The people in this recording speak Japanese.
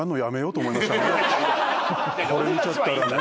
これ見ちゃったらね。